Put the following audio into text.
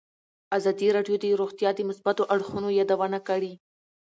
ازادي راډیو د روغتیا د مثبتو اړخونو یادونه کړې.